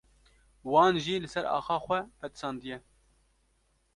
wan jî li ser axa xwe fetisandiye